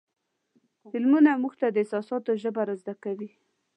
فلمونه موږ ته د احساساتو ژبه را زده کوي.